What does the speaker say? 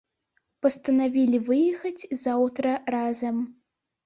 Пастанавілі выехаць заўтра разам.